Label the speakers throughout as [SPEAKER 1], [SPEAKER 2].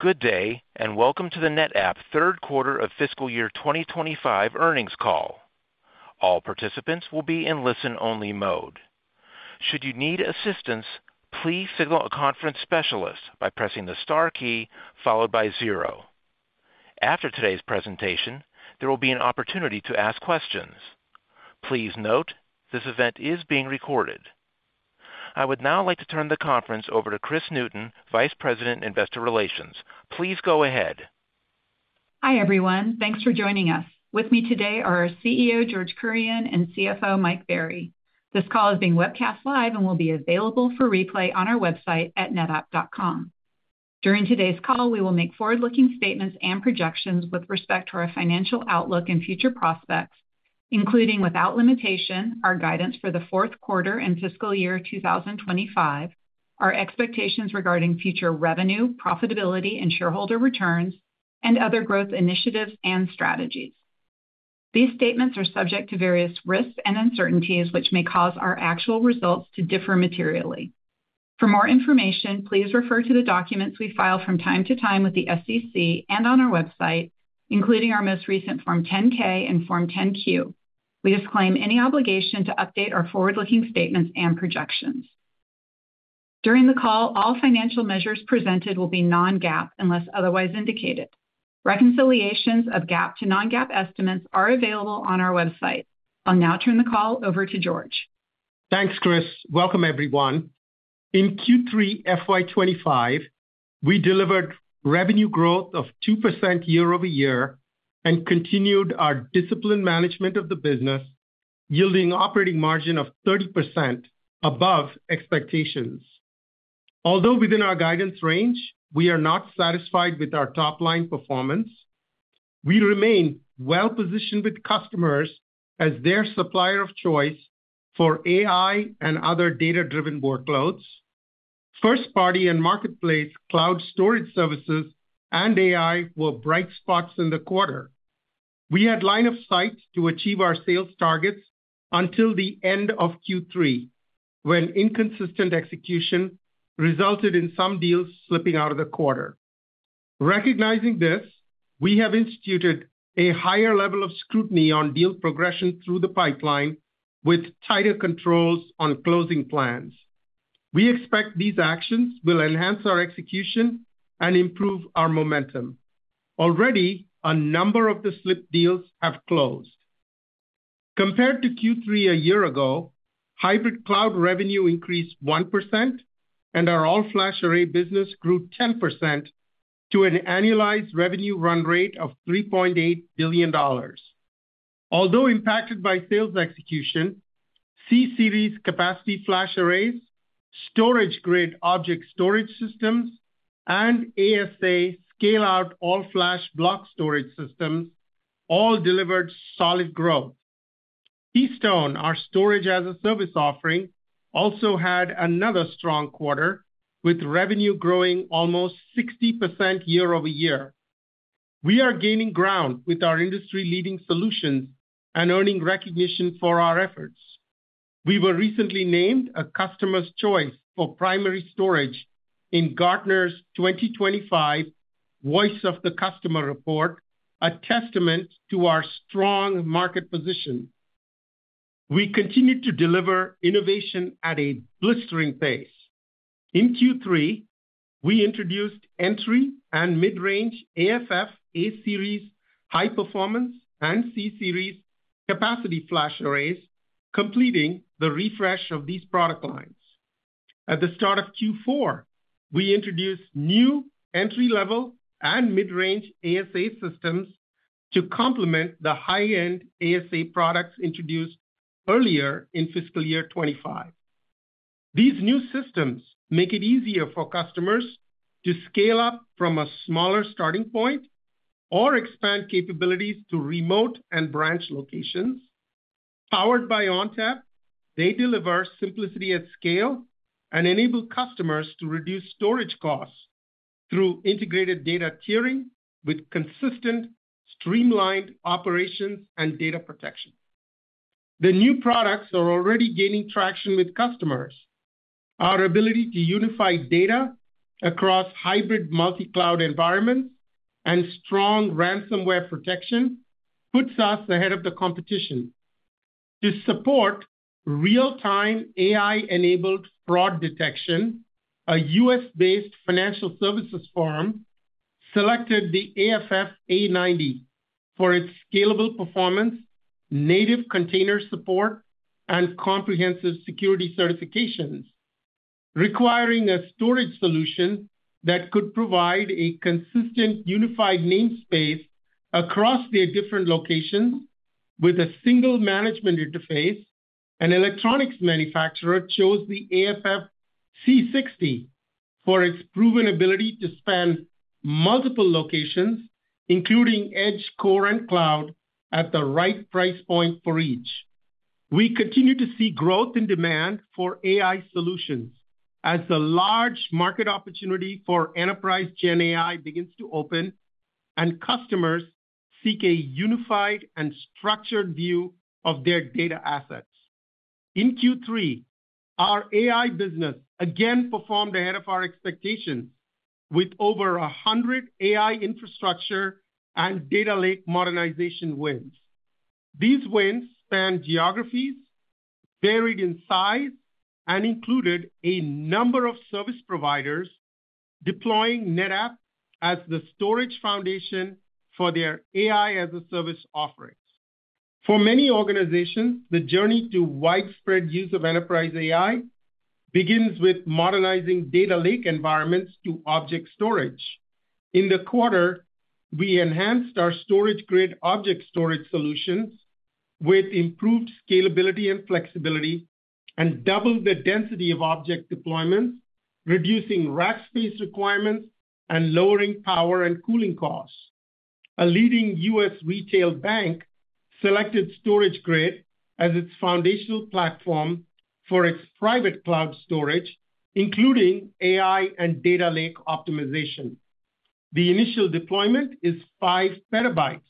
[SPEAKER 1] Go od day, and welcome to the NetApp Third Quarter of Fiscal Year 2025 Earnings Call. All participants will be in listen-only mode. Should you need assistance, please signal a conference specialist by pressing the star key followed by zero. After today's presentation, there will be an opportunity to ask questions. Please note this event is being recorded. I would now like to turn the conference over to Kris Newton, Vice President, Investor Relations. Please go ahead.
[SPEAKER 2] Hi everyone, thanks for joining us. With me today are our CEO, George Kurian, and CFO, Mike Berry. This call is being webcast live and will be available for replay on our website at netapp.com. During today's call, we will make forward-looking statements and projections with respect to our financial outlook and future prospects, including without limitation, our guidance for fourth quarter and Fiscal Year 2025, our expectations regarding future revenue, profitability, and shareholder returns, and other growth initiatives and strategies. These statements are subject to various risks and uncertainties, which may cause our actual results to differ materially. For more information, please refer to the documents we file from time to time with the SEC and on our website, including our most recent Form 10-K and Form 10-Q. We disclaim any obligation to update our forward-looking statements and projections. During the call, all financial measures presented will be non-GAAP unless otherwise indicated. Reconciliations of GAAP to non-GAAP estimates are available on our website. I'll now turn the call over to George.
[SPEAKER 3] Thanks, Kris. Welcome, everyone. In Q3 FY 2025, we delivered revenue growth of 2% YoY and continued our disciplined management of the business, yielding an operating margin of 30% above expectations. Although within our guidance range, we are not satisfied with our top-line performance, we remain well-positioned with customers as their supplier of choice for AI and other data-driven workloads. First-party and marketplace cloud storage services and AI were bright spots in the quarter. We had line of sight to achieve our sales targets until the end of Q3, when inconsistent execution resulted in some deals slipping out of the quarter. Recognizing this, we have instituted a higher level of scrutiny on deal progression through the pipeline, with tighter controls on closing plans. We expect these actions will enhance our execution and improve our momentum. Already, a number of the slipped deals have closed. Compared to Q3 a year ago, hybrid cloud revenue increased 1%, and our all-flash array business grew 10% to an annualized revenue run rate of $3.8 billion. Although impacted by sales execution, C-Series capacity flash arrays, StorageGRID object storage systems, and ASA scale-out all-flash block storage systems all delivered solid growth. Keystone, our Storage-as-a-Service offering, also had another strong quarter, with revenue growing almost 60% YoY. We are gaining ground with our industry-leading solutions and earning recognition for our efforts. We were recently named a Customers' Choice for Primary Storage in Gartner's 2025 Voice of the Customer report, a testament to our strong market position. We continue to deliver innovation at a blistering pace. In Q3, we introduced entry and mid-range AFF A-Series high-performance and C-Series capacity flash arrays, completing the refresh of these product lines. At the start of Q4, we introduced new entry-level and mid-range ASA systems to complement the high-end ASA products introduced earlier in Fiscal Year 2025. These new systems make it easier for customers to scale up from a smaller starting point or expand capabilities to remote and branch locations. Powered by ONTAP, they deliver simplicity at scale and enable customers to reduce storage costs through integrated data tiering with consistent, streamlined operations and data protection. The new products are already gaining traction with customers. Our ability to unify data across hybrid multi-cloud environments and strong ransomware protection puts us ahead of the competition. To support real-time AI-enabled fraud detection, a U.S.-based financial services firm selected the AFF A90 for its scalable performance, native container support, and comprehensive security certifications. Requiring a storage solution that could provide a consistent unified namespace across their different locations with a single management interface, an electronics manufacturer chose the AFF C60 for its proven ability to span multiple locations, including edge, core, and cloud, at the right price point for each. We continue to see growth in demand for AI solutions as the large market opportunity for enterprise Gen AI begins to open and customers seek a unified and structured view of their data assets. In Q3, our AI business again performed ahead of our expectations with over 100 AI infrastructure and data lake modernization wins. These wins spanned geographies, varied in size, and included a number of service providers deploying NetApp as the storage foundation for their AI-as-a-Service offerings. For many organizations, the journey to widespread use of enterprise AI begins with modernizing data lake environments to object storage. In the quarter, we enhanced our StorageGRID object storage solutions with improved scalability and flexibility and doubled the density of object deployments, reducing rack space requirements and lowering power and cooling costs. A leading U.S. retail bank selected StorageGRID as its foundational platform for its private cloud storage, including AI and data lake optimization. The initial deployment is five petabytes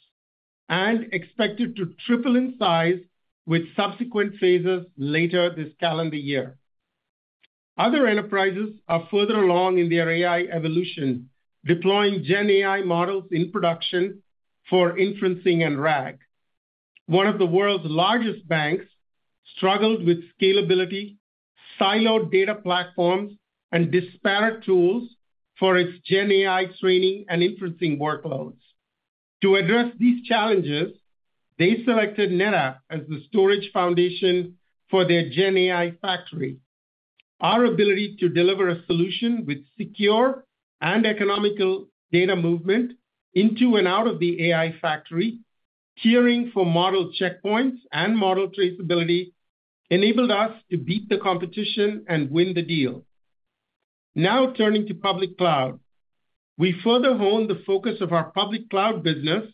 [SPEAKER 3] and expected to triple in size with subsequent phases later this calendar year. Other enterprises are further along in their AI evolution, deploying Gen AI models in production for inferencing and RAG. One of the world's largest banks struggled with scalability, siloed data platforms, and disparate tools for its Gen AI training and inferencing workloads. To address these challenges, they selected NetApp as the storage foundation for their Gen AI factory. Our ability to deliver a solution with secure and economical data movement into and out of the AI factory, tiering for model checkpoints and model traceability, enabled us to beat the competition and win the deal. Now turning to public cloud, we further honed the focus of our public cloud business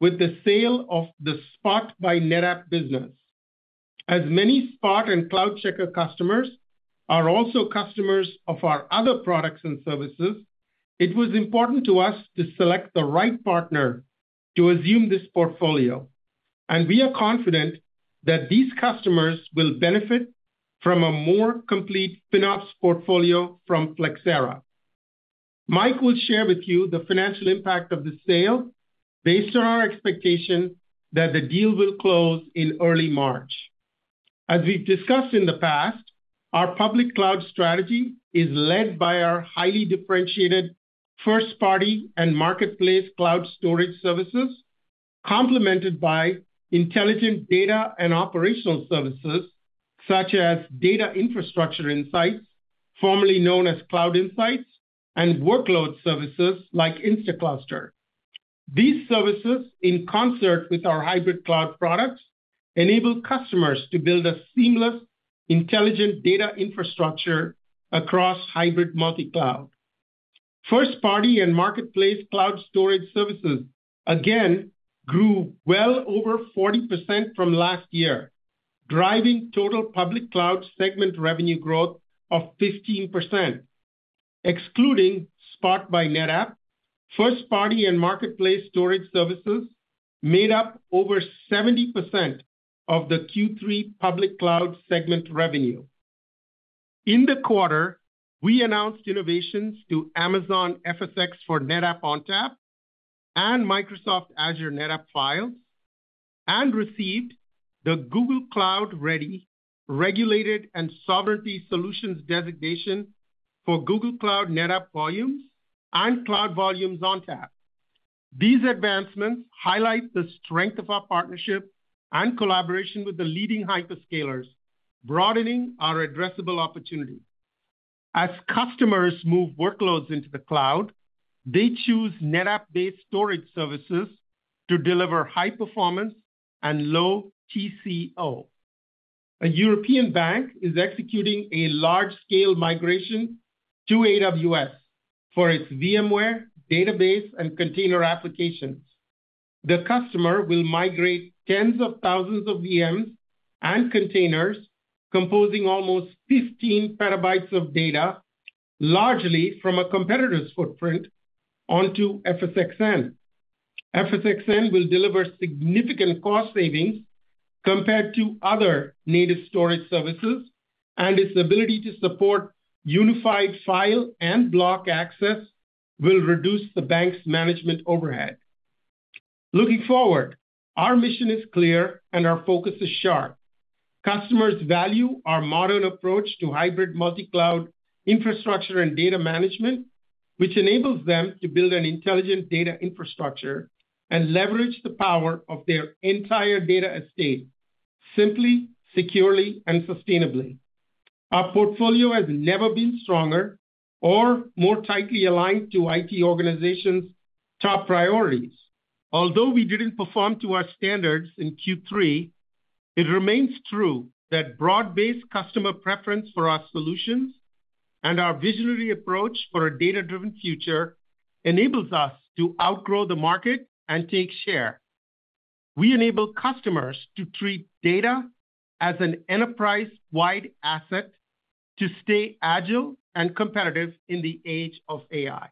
[SPEAKER 3] with the sale of the Spot by NetApp business. As many Spot and CloudCheckr customers are also customers of our other products and services, it was important to us to select the right partner to assume this portfolio, and we are confident that these customers will benefit from a more complete Spot's portfolio from Flexera. Mike will share with you the financial impact of the sale based on our expectation that the deal will close in early March. As we've discussed in the past, our public cloud strategy is led by our highly differentiated first-party and marketplace cloud storage services, complemented by intelligent data and operational services such as Data Infrastructure Insights, formerly known as Cloud Insights, and workload services like Instaclustr. These services, in concert with our hybrid cloud products, enable customers to build a seamless, intelligent data infrastructure across hybrid multi-cloud. First-party and marketplace cloud storage services again grew well over 40% from last year, driving total public cloud segment revenue growth of 15%. Excluding Spot by NetApp, first-party and marketplace storage services made up over 70% of the Q3 public cloud segment revenue. In the quarter, we announced innovations to Amazon FSx for NetApp ONTAP and Microsoft Azure NetApp Files and received the Google Cloud Ready Regulated and Sovereignty Solutions designation for Google Cloud NetApp Volumes and Cloud Volumes ONTAP. These advancements highlight the strength of our partnership and collaboration with the leading hyperscalers, broadening our addressable opportunity. As customers move workloads into the cloud, they choose NetApp-based storage services to deliver high performance and low TCO. A European bank is executing a large-scale migration to AWS for its VMware, database, and container applications. The customer will migrate tens of thousands of VMs and containers composing almost 15 petabytes of data, largely from a competitor's footprint, onto FSxN. FSxN will deliver significant cost savings compared to other native storage services, and its ability to support unified file and block access will reduce the bank's management overhead. Looking forward, our mission is clear and our focus is sharp. Customers value our modern approach to hybrid multi-cloud infrastructure and data management, which enables them to build an intelligent data infrastructure and leverage the power of their entire data estate simply, securely, and sustainably. Our portfolio has never been stronger or more tightly aligned to IT organizations' top priorities. Although we didn't perform to our standards in Q3, it remains true that broad-based customer preference for our solutions and our visionary approach for a data-driven future enables us to outgrow the market and take share. We enable customers to treat data as an enterprise-wide asset to stay agile and competitive in the age of AI.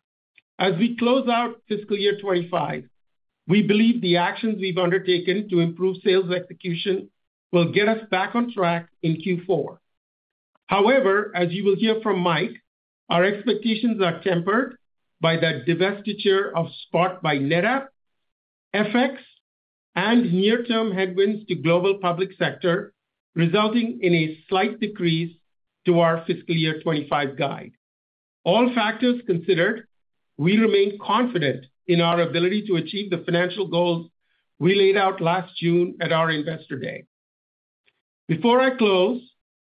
[SPEAKER 3] As we close out Fiscal Year 2025, we believe the actions we've undertaken to improve sales execution will get us back on track in Q4. However, as you will hear from Mike, our expectations are tempered by the divestiture of Spot by NetApp, FX, and near-term headwinds to global public sector, resulting in a slight decrease to our Fiscal Year 2025 guide. All factors considered, we remain confident in our ability to achieve the financial goals we laid out last June at our investor day. Before I close,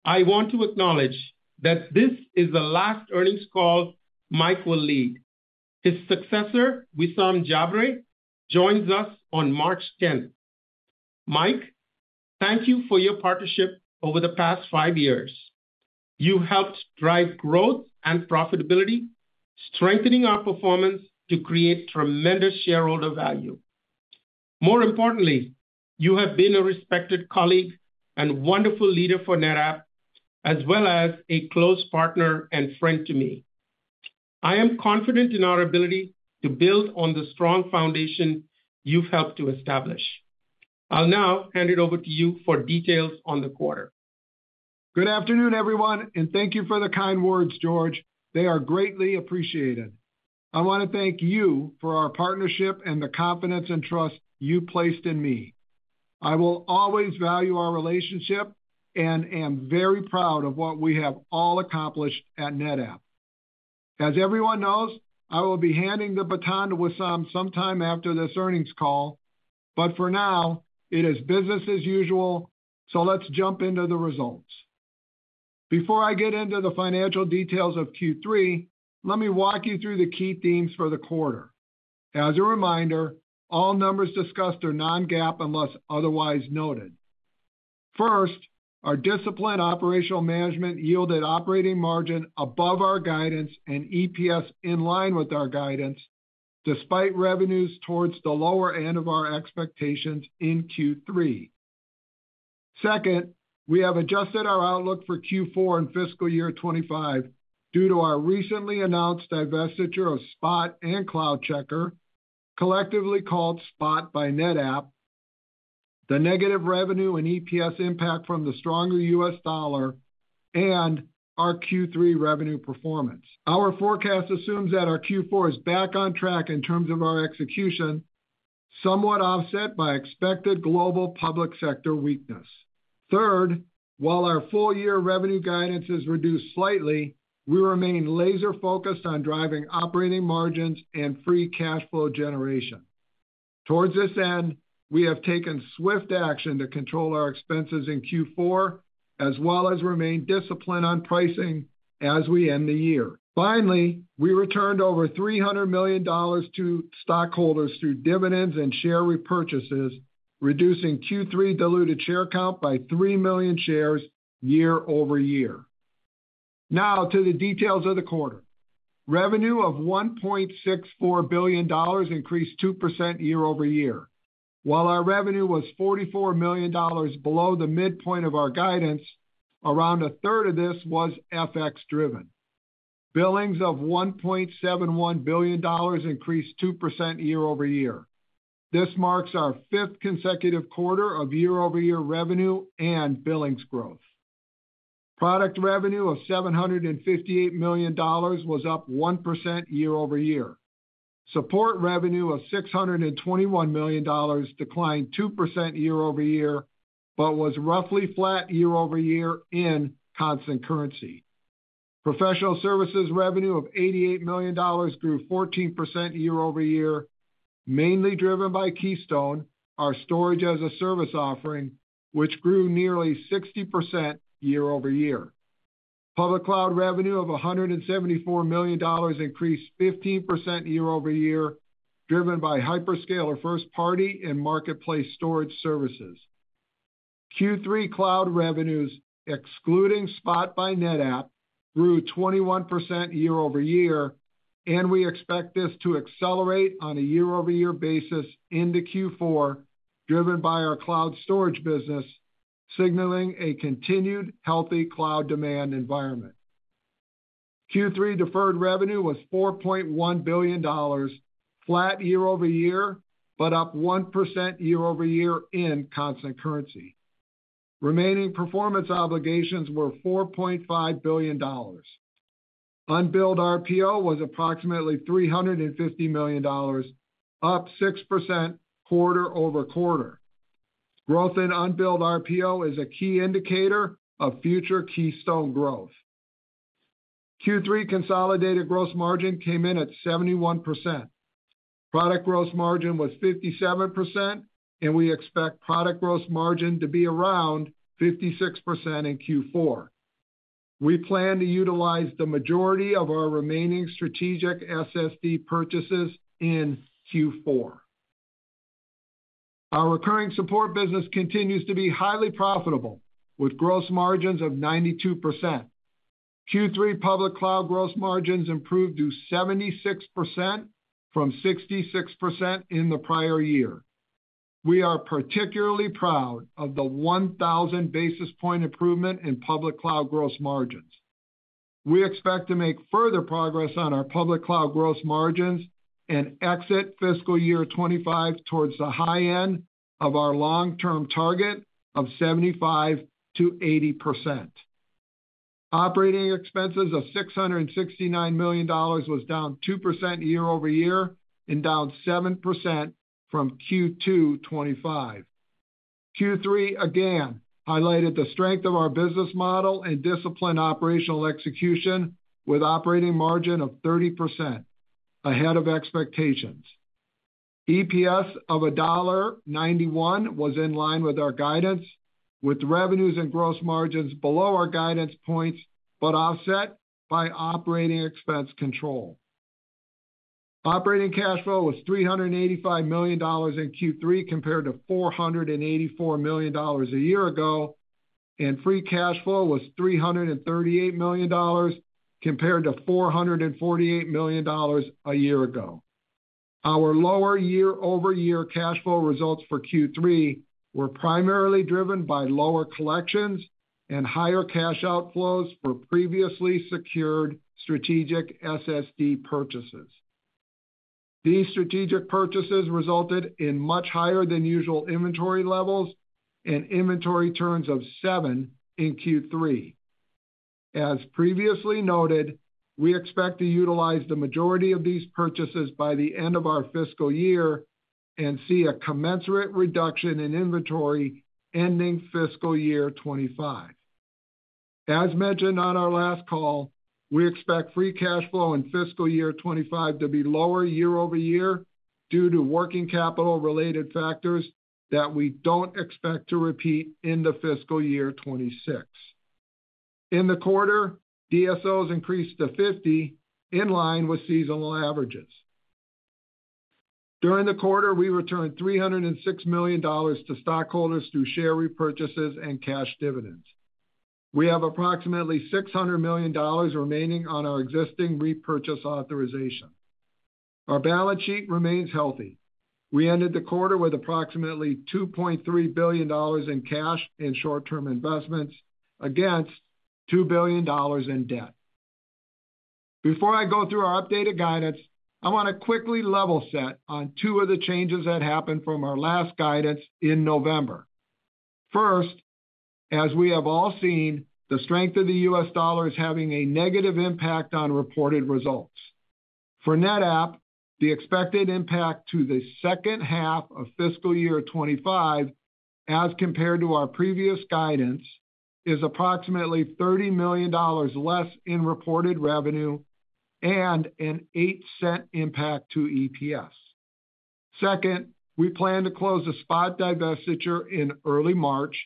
[SPEAKER 3] I want to acknowledge that this is the last earnings call Mike will lead. His successor, Wissam Jabre, joins us on March 10th. Mike, thank you for your partnership over the past five years. You helped drive growth and profitability, strengthening our performance to create tremendous shareholder value. More importantly, you have been a respected colleague and wonderful leader for NetApp, as well as a close partner and friend to me. I am confident in our ability to build on the strong foundation you've helped to establish. I'll now hand it over to you for details on the quarter.
[SPEAKER 4] Good afternoon, everyone, and thank you for the kind words, George. They are greatly appreciated. I want to thank you for our partnership and the confidence and trust you placed in me. I will always value our relationship and am very proud of what we have all accomplished at NetApp. As everyone knows, I will be handing the baton to Wissam sometime after this earnings call, but for now, it is business as usual, so let's jump into the results. Before I get into the financial details of Q3, let me walk you through the key themes for the quarter. As a reminder, all numbers discussed are non-GAAP unless otherwise noted. First, our disciplined operational management yielded operating margin above our guidance and EPS in line with our guidance, despite revenues towards the lower end of our expectations in Q3. Second, we have adjusted our outlook for Q4 and Fiscal Year 2025 due to our recently announced divestiture of Spot and CloudCheckr, collectively called Spot by NetApp, the negative revenue and EPS impact from the stronger U.S. dollar, and our Q3 revenue performance. Our forecast assumes that our Q4 is back on track in terms of our execution, somewhat offset by expected global public sector weakness. Third, while our full-year revenue guidance is reduced slightly, we remain laser-focused on driving operating margins and free cash flow generation. Towards this end, we have taken swift action to control our expenses in Q4, as well as remain disciplined on pricing as we end the year. Finally, we returned over $300 million to stockholders through dividends and share repurchases, reducing Q3 diluted share count by 3 million shares YoY. Now to the details of the quarter. Revenue of $1.64 billion increased 2% YoY. While our revenue was $44 million below the midpoint of our guidance, around a third of this was FX-driven. Billings of $1.71 billion increased 2% YoY. This marks our fifth consecutive quarter of year-over-year revenue and billings growth. Product revenue of $758 million was up 1% YoY. Support revenue of $621 million declined 2% YoY, but was roughly flat YoY in constant currency. Professional services revenue of $88 million grew 14% YoY, mainly driven by Keystone, our Storage-as-a-Service offering, which grew nearly 60% YoY. Public cloud revenue of $174 million increased 15% YoY, driven by hyperscaler first-party and marketplace storage services. Q3 cloud revenues, excluding Spot by NetApp, grew 21% YoY, and we expect this to accelerate on a year-over-year basis into Q4, driven by our cloud storage business, signaling a continued healthy cloud demand environment. Q3 deferred revenue was $4.1 billion, flat year-over-year, but up 1% YoY in constant currency. Remaining performance obligations were $4.5 billion. Unbilled RPO was approximately $350 million, up 6% QoQ. Growth in unbilled RPO is a key indicator of future Keystone growth. Q3 consolidated gross margin came in at 71%. Product gross margin was 57%, and we expect product gross margin to be around 56% in Q4. We plan to utilize the majority of our remaining strategic SSD purchases in Q4. Our recurring support business continues to be highly profitable, with gross margins of 92%. Q3 public cloud gross margins improved to 76% from 66% in the prior year. We are particularly proud of the 1,000 basis point improvement in public cloud gross margins. We expect to make further progress on our public cloud gross margins and exit Fiscal Year 2025 towards the high end of our long-term target of 75%-80%. Operating expenses of $669 million was down 2% YoY and down 7% from Q2 2025. Q3 again highlighted the strength of our business model and disciplined operational execution, with operating margin of 30% ahead of expectations. EPS of $1.91 was in line with our guidance, with revenues and gross margins below our guidance points but offset by operating expense control. Operating cash flow was $385 million in Q3 compared to $484 million a year ago, and free cash flow was $338 million compared to $448 million a year ago. Our lower year-over-year cash flow results for Q3 were primarily driven by lower collections and higher cash outflows for previously secured strategic SSD purchases. These strategic purchases resulted in much higher than usual inventory levels and inventory turns of seven in Q3. As previously noted, we expect to utilize the majority of these purchases by the end of our Fiscal Year and see a commensurate reduction in inventory ending Fiscal Year 2025. As mentioned on our last call, we expect free cash flow in Fiscal Year 2025 to be lower year-over-year due to working capital-related factors that we don't expect to repeat in the Fiscal Year 2026. In the quarter, DSOs increased to 50%, in line with seasonal averages. During the quarter, we returned $306 million to stockholders through share repurchases and cash dividends. We have approximately $600 million remaining on our existing repurchase authorization. Our balance sheet remains healthy. We ended the quarter with approximately $2.3 billion in cash and short-term investments against $2 billion in debt. Before I go through our updated guidance, I want to quickly level set on two of the changes that happened from our last guidance in November. First, as we have all seen, the strength of the U.S. dollar is having a negative impact on reported results. For NetApp, the expected impact to the second half of Fiscal Year 2025, as compared to our previous guidance, is approximately $30 million less in reported revenue and an 8% impact to EPS. Second, we plan to close the Spot divestiture in early March,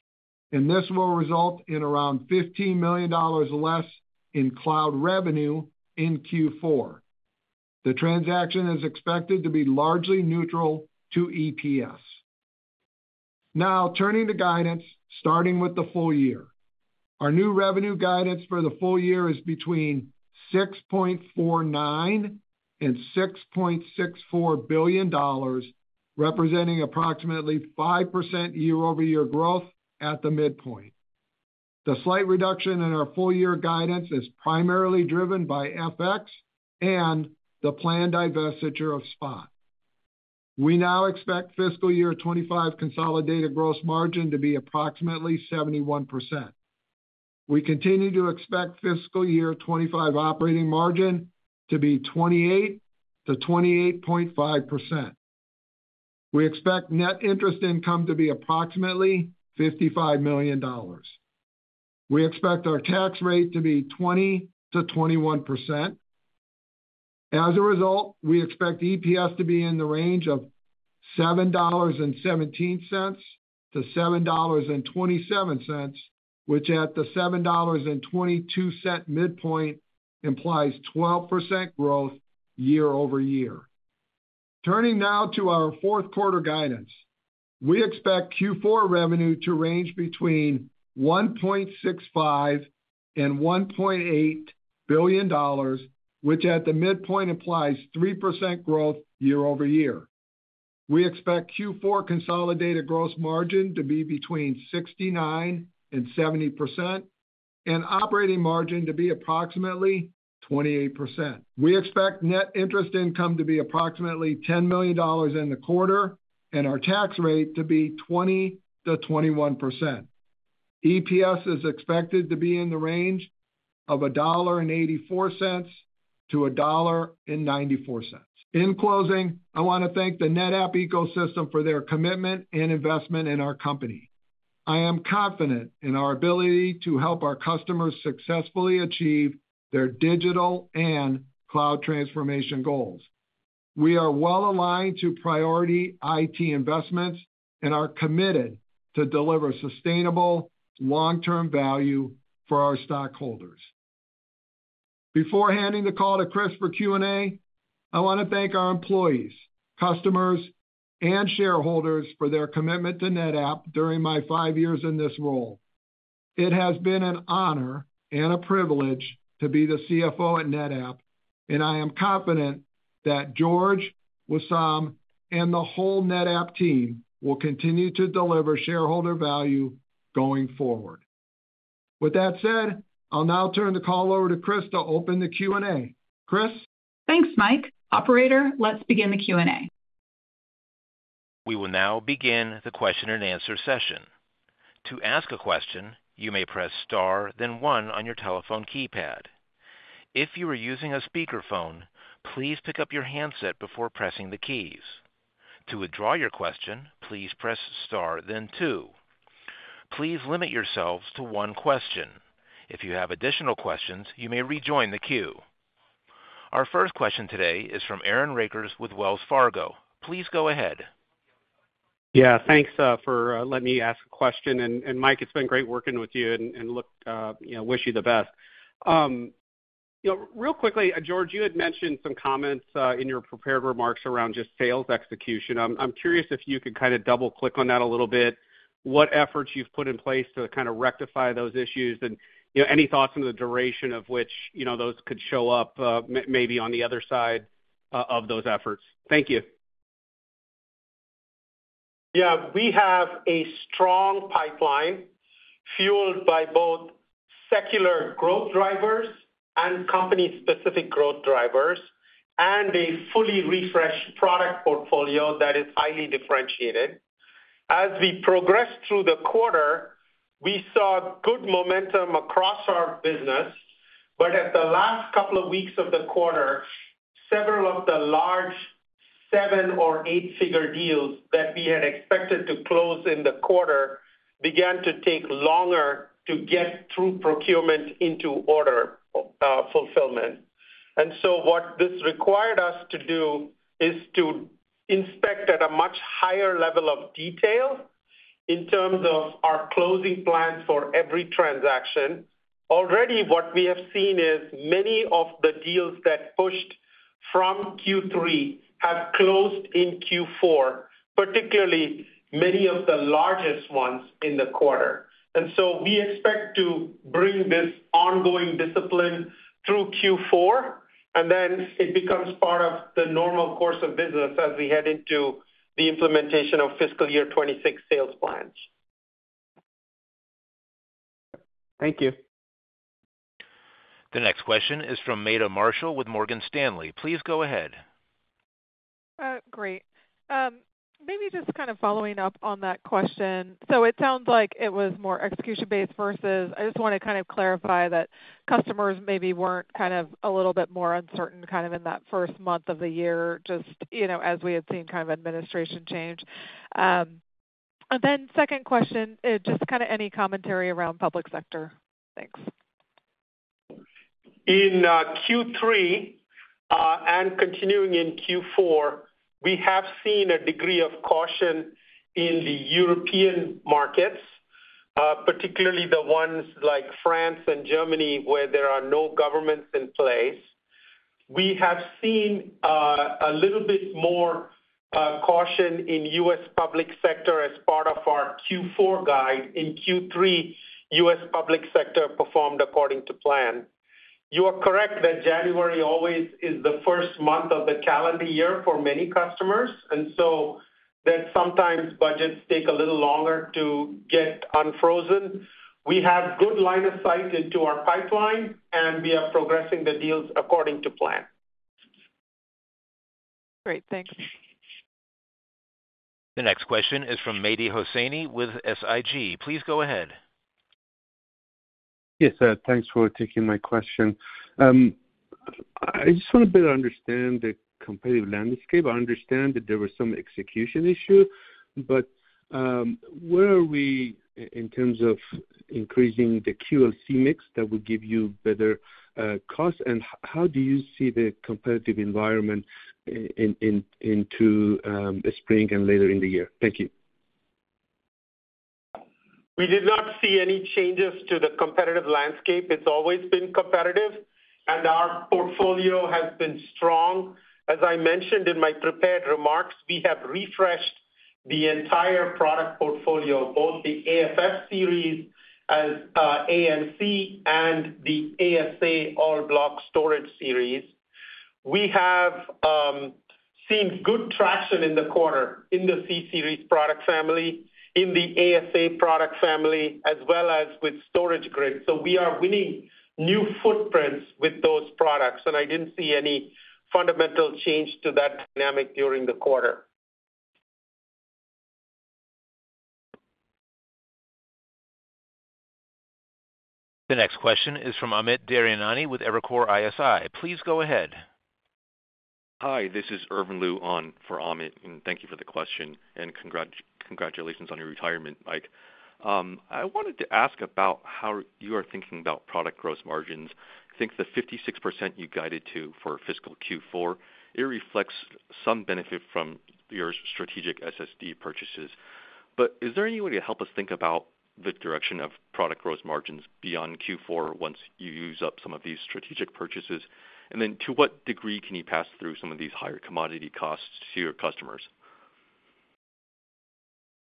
[SPEAKER 4] and this will result in around $15 million less in cloud revenue in Q4. The transaction is expected to be largely neutral to EPS. Now, turning to guidance, starting with the full year. Our new revenue guidance for the full year is between $6.49-$6.64 billion, representing approximately 5% year-over-year growth at the midpoint. The slight reduction in our full-year guidance is primarily driven by FX and the planned divestiture of Spot. We now expect Fiscal Year 2025 consolidated gross margin to be approximately 71%. We continue to expect Fiscal Year 2025 operating margin to be 28%-28.5%. We expect net interest income to be approximately $55 million. We expect our tax rate to be 20%-21%. As a result, we expect EPS to be in the range of $7.17-$7.27, which at the $7.22 midpoint implies 12% growth year-over-year. Turning now to our fourth quarter guidance, we expect Q4 revenue to range between $1.65 and $1.8 billion, which at the midpoint implies 3% growth YoY. We expect Q4 consolidated gross margin to be between 69% and 70%, and operating margin to be approximately 28%. We expect net interest income to be approximately $10 million in the quarter, and our tax rate to be 20%-21%. EPS is expected to be in the range of $1.84-$1.94. In closing, I want to thank the NetApp ecosystem for their commitment and investment in our company. I am confident in our ability to help our customers successfully achieve their digital and cloud transformation goals. We are well aligned to priority IT investments and are committed to deliver sustainable long-term value for our stockholders. Before handing the call to Kris for Q&A, I want to thank our employees, customers, and shareholders for their commitment to NetApp during my five years in this role. It has been an honor and a privilege to be the CFO at NetApp, and I am confident that George, Wissam, and the whole NetApp team will continue to deliver shareholder value going forward. With that said, I'll now turn the call over to Kris to open the Q&A. Kris?
[SPEAKER 2] Thanks, Mike. Operator, let's begin the Q&A.
[SPEAKER 1] We will now begin the question and answer session. To ask a question, you may press star, then one on your telephone keypad. If you are using a speakerphone, please pick up your handset before pressing the keys. To withdraw your question, please press star, then two. Please limit yourselves to one question. If you have additional questions, you may rejoin the queue. Our first question today is from Aaron Rakers with Wells Fargo. Please go ahead.
[SPEAKER 5] Yeah, thanks for letting me ask a question. And Mike, it's been great working with you and wish you the best. Real quickly, George, you had mentioned some comments in your prepared remarks around just sales execution. I'm curious if you could kind of double-click on that a little bit, what efforts you've put in place to kind of rectify those issues, and any thoughts on the duration of which those could show up maybe on the other side of those efforts. Thank you.
[SPEAKER 3] Yeah, we have a strong pipeline fueled by both secular growth drivers and company-specific growth drivers, and a fully refreshed product portfolio that is highly differentiated. As we progressed through the quarter, we saw good momentum across our business, but at the last couple of weeks of the quarter, several of the large seven or eight-figure deals that we had expected to close in the quarter began to take longer to get through procurement into order fulfillment. And so what this required us to do is to inspect at a much higher level of detail in terms of our closing plans for every transaction. Already, what we have seen is many of the deals that pushed from Q3 have closed in Q4, particularly many of the largest ones in the quarter. And so we expect to bring this ongoing discipline through Q4, and then it becomes part of the normal course of business as we head into the implementation of Fiscal Year 2026 sales plans.
[SPEAKER 5] Thank you.
[SPEAKER 1] The next question is from Meta Marshall with Morgan Stanley. Please go ahead.
[SPEAKER 6] Great. Maybe just kind of following up on that question. So it sounds like it was more execution-based versus I just want to kind of clarify that customers maybe weren't kind of a little bit more uncertain kind of in that first month of the year, just as we had seen kind of administration change. And then second question, just kind of any commentary around public sector. Thanks.
[SPEAKER 3] In Q3 and continuing in Q4, we have seen a degree of caution in the European markets, particularly the ones like France and Germany where there are no governments in place. We have seen a little bit more caution in U.S. public sector as part of our Q4 guide. In Q3, U.S. public sector performed according to plan. You are correct that January always is the first month of the calendar year for many customers, and so that sometimes budgets take a little longer to get unfrozen. We have good line of sight into our pipeline, and we are progressing the deals according to plan.
[SPEAKER 6] Great. Thanks.
[SPEAKER 1] The next question is from Mehdi Hosseini with SIG. Please go ahead.
[SPEAKER 7] Yes, thanks for taking my question. I just want to better understand the competitive landscape. I understand that there were some execution issues, but where are we in terms of increasing the QLC mix that will give you better costs? And how do you see the competitive environment into spring and later in the year? Thank you.
[SPEAKER 1] We did not see any changes to the competitive landscape. It's always been competitive, and our portfolio has been strong. As I mentioned in my prepared remarks, we have refreshed the entire product portfolio, both the AFF series and the ASA all-block storage series. We have seen good traction in the quarter in the C-Series product family, in the ASA product family, as well as with StorageGRID. So we are winning new footprints with those products, and I didn't see any fundamental change to that dynamic during the quarter. The next question is from Amit Daryanani with Evercore ISI. Please go ahead.
[SPEAKER 8] Hi, this is Irvin Liu for Amit, and thank you for the question, and congratulations on your retirement, Mike. I wanted to ask about how you are thinking about product gross margins. I think the 56% you guided to for fiscal Q4, it reflects some benefit from your strategic SSD purchases. But is there any way to help us think about the direction of product gross margins beyond Q4 once you use up some of these strategic purchases? And then to what degree can you pass through some of these higher commodity costs to your customers?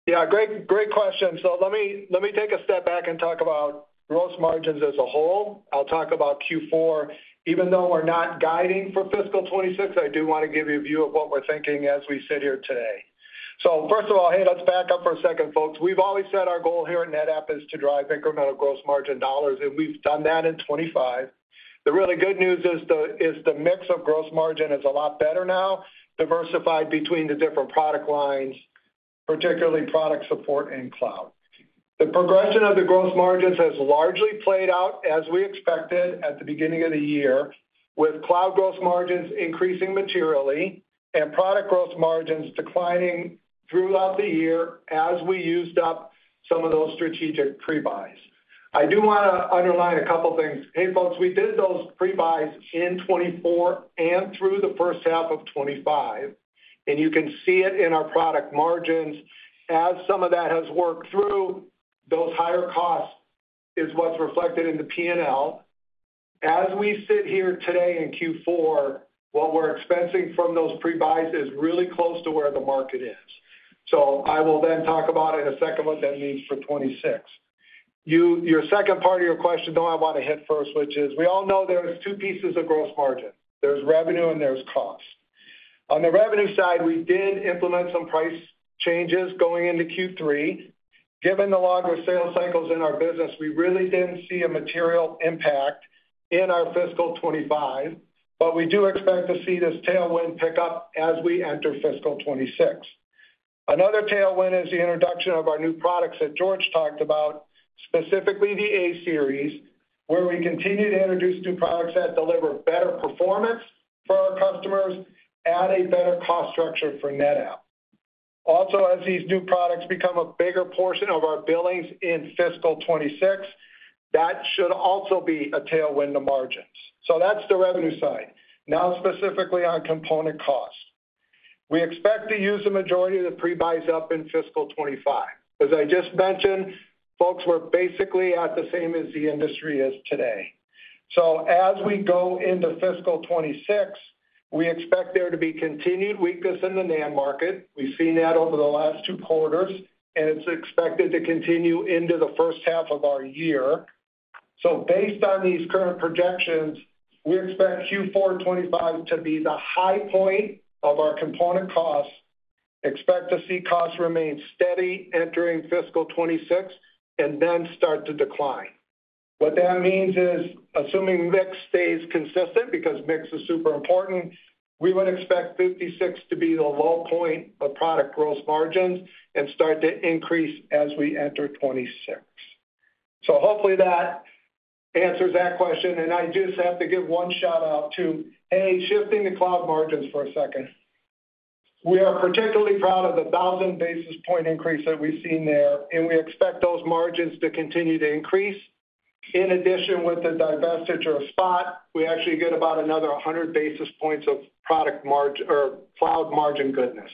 [SPEAKER 4] Yeah, great question. So let me take a step back and talk about gross margins as a whole. I'll talk about Q4. Even though we're not guiding for fiscal 2026, I do want to give you a view of what we're thinking as we sit here today. So first of all, hey, let's back up for a second, folks. We've always said our goal here at NetApp is to drive incremental gross margin dollars, and we've done that in 2025. The really good news is the mix of gross margin is a lot better now, diversified between the different product lines, particularly product support and cloud. The progression of the gross margins has largely played out as we expected at the beginning of the year, with cloud gross margins increasing materially and product gross margins declining throughout the year as we used up some of those strategic prebuys. I do want to underline a couple of things. Hey, folks, we did those prebuys in 2024 and through the first half of 2025, and you can see it in our product margins. As some of that has worked through, those higher costs is what's reflected in the P&L. As we sit here today in Q4, what we're expensing from those prebuys is really close to where the market is. I will then talk about in a second what that means for 2026. Your second part of your question, though, I want to hit first, which is we all know there are two pieces of gross margin. There's revenue and there's cost. On the revenue side, we did implement some price changes going into Q3. Given the longer sales cycles in our business, we really didn't see a material impact in our fiscal 2025, but we do expect to see this tailwind pick up as we enter fiscal 2026. Another tailwind is the introduction of our new products that George talked about, specifically the A-Series, where we continue to introduce new products that deliver better performance for our customers at a better cost structure for NetApp. Also, as these new products become a bigger portion of our billings in fiscal 2026, that should also be a tailwind to margins. So that's the revenue side. Now, specifically on component cost, we expect to use the majority of the prebuys up in fiscal 2025. As I just mentioned, folks, we're basically at the same as the industry is today. So as we go into fiscal 2026, we expect there to be continued weakness in the NAND market. We've seen that over the last two quarters, and it's expected to continue into the first half of our year. So based on these current projections, we expect Q4 2025 to be the high point of our component costs, expect to see costs remain steady entering fiscal 2026, and then start to decline. What that means is, assuming mix stays consistent, because mix is super important, we would expect 2026 to be the low point of product gross margins and start to increase as we enter 2026. So hopefully that answers that question. And I just have to give one shout-out to, hey, shifting the cloud margins for a second. We are particularly proud of the 1,000 basis point increase that we've seen there, and we expect those margins to continue to increase. In addition, with the divestiture Spot, we actually get about another 100 basis points of product cloud margin goodness.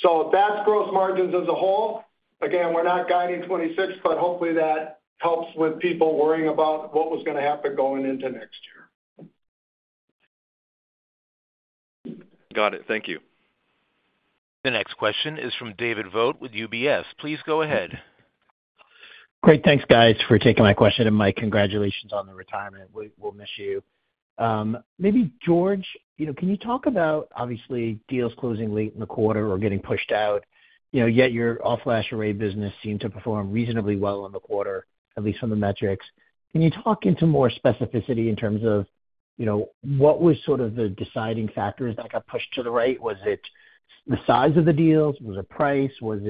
[SPEAKER 4] So that's gross margins as a whole. Again, we're not guiding 2026, but hopefully that helps with people worrying about what was going to happen going into next year.
[SPEAKER 8] Got it. Thank you.
[SPEAKER 9] The next question is from David Vogt with UBS. Please go ahead. Great. Thanks, guys, for taking my question. And Mike, congratulations on the retirement. We'll miss you. Maybe George, can you talk about, obviously, deals closing late in the quarter or getting pushed out? Yet your all-flash array business seemed to perform reasonably well in the quarter, at least from the metrics. Can you talk into more specificity in terms of what was sort of the deciding factors that got pushed to the right? Was it the size of the deals? Was it price? What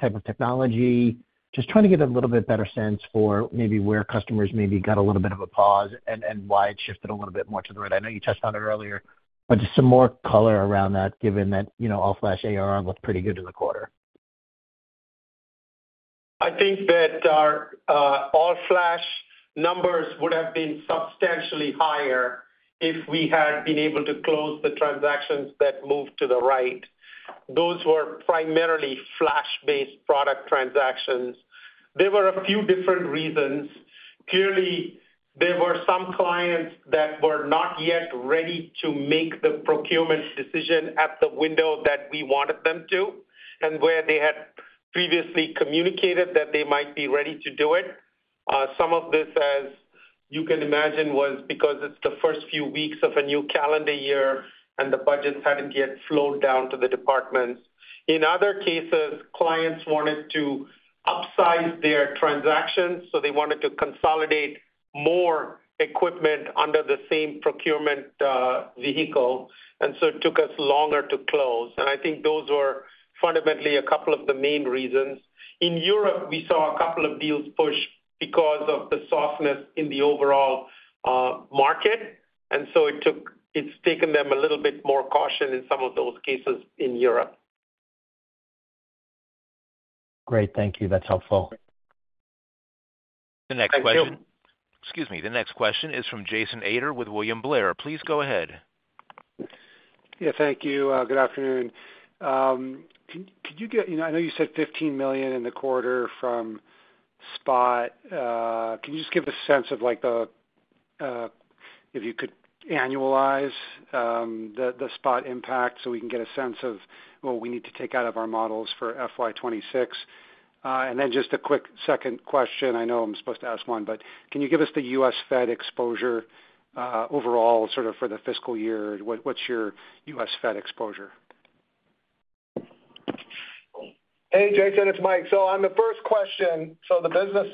[SPEAKER 9] type of technology? Just trying to get a little bit better sense for maybe where customers maybe got a little bit of a pause and why it shifted a little bit more to the right. I know you touched on it earlier, but just some more color around that, given that all-flash array looked pretty good in the quarter.
[SPEAKER 3] I think that our all-flash numbers would have been substantially higher if we had been able to close the transactions that moved to the right. Those were primarily flash-based product transactions. There were a few different reasons. Clearly, there were some clients that were not yet ready to make the procurement decision at the window that we wanted them to, and where they had previously communicated that they might be ready to do it. Some of this, as you can imagine, was because it's the first few weeks of a new calendar year and the budgets hadn't yet flowed down to the departments. In other cases, clients wanted to upsize their transactions, so they wanted to consolidate more equipment under the same procurement vehicle, and so it took us longer to close. And I think those were fundamentally a couple of the main reasons. In Europe, we saw a couple of deals pushed because of the softness in the overall market, and so it's taken them a little bit more caution in some of those cases in Europe.
[SPEAKER 9] Great. Thank you. That's helpful.
[SPEAKER 1] The next question.
[SPEAKER 3] Thank you.
[SPEAKER 1] Excuse me. The next question is from Jason Ader with William Blair. Please go ahead.
[SPEAKER 10] Yeah, thank you. Good afternoon. Could you? I know you said $15 million in the quarter from Spot. Can you just give a sense of if you could annualize the Spot impact so we can get a sense of what we need to take out of our models for FY 2026? And then just a quick second question. I know I'm supposed to ask one, but can you give us the U.S. Fed exposure overall sort of for the Fiscal Year? What's your U.S. Fed exposure?
[SPEAKER 4] Hey, Jason, it's Mike. So on the first question, so the business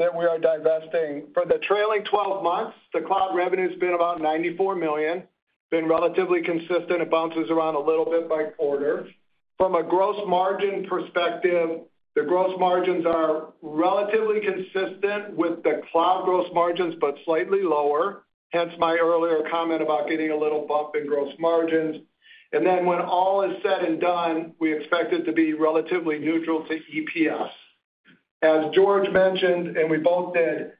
[SPEAKER 4] that we are divesting for the trailing 12 months, the cloud revenue has been about $94 million. Been relatively consistent. It bounces around a little bit by quarter. From a gross margin perspective, the gross margins are relatively consistent with the cloud gross margins, but slightly lower. Hence my earlier comment about getting a little bump in gross margins. And then when all is said and done, we expect it to be relatively neutral to EPS. As George mentioned, and we both did,